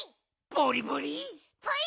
ボリボリ！